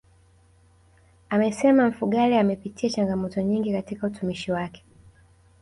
Amesema Mfugale amepitia changamoto nyingi katika utumishi wake